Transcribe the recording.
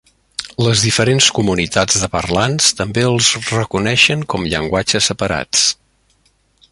Les diferents comunitats de parlants també els reconeixen com llenguatges separats.